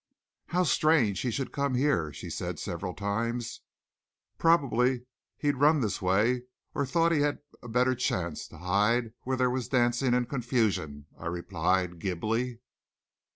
"How strange he should come here," she said several times. "Probably he'd run this way or thought he had a better chance to hide where there was dancing and confusion," I replied glibly.